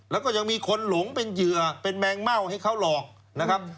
แล้วก็ยังมีคนหลงเป็นเหยื่อเป็นแมงเม่าให้เขาหลอกนะครับ